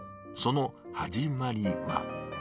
その始まりは。